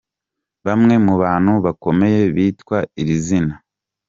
Bamwe mu bantu bakomeye bitwa iri zina.